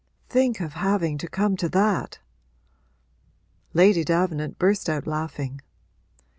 'Think of having to come to that!' Lady Davenant burst out laughing.